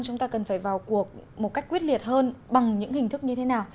chúng ta cần phải vào cuộc một cách quyết liệt hơn bằng những hình thức như thế nào